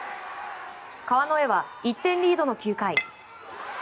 川之江は１点リードの９回。